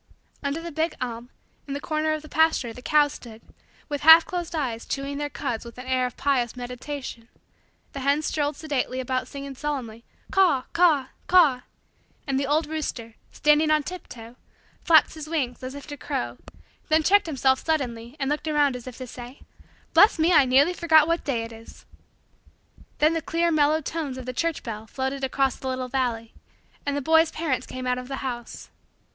Under the big elm, in the corner of the pasture, the cows stood, with half closed eyes, chewing their cuds with an air of pious meditation. The hens strolled sedately about singing solemnly: ca w w, ca w w, ca w w, and the old red rooster, standing on tiptoe, flapped his wings as if to crow then checked himself suddenly and looked around as if to say: "Bless me, I nearly forgot what day it is!" Then the clear, mellow, tones of the church bell floated across the little valley and the boy's parents came out of the house.